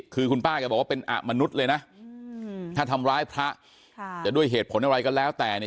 คือคุณป้าแกบอกว่าเป็นอะมนุษย์เลยนะถ้าทำร้ายพระจะด้วยเหตุผลอะไรก็แล้วแต่